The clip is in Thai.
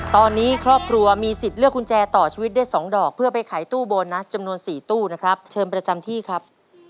ตอนนี้ครอบครัวมีสิทธิ์เลือกกุญแจต่อชีวิตได้๒ดอกเพื่อไปขายตู้โบนัสจำนวน๔ตู้นะครับเชิญประจำที่ครับ